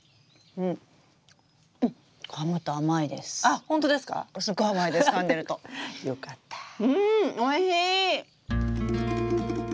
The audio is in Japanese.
うんおいしい！